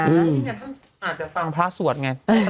นี่เนี่ยอาจจะฟังพระสวดไง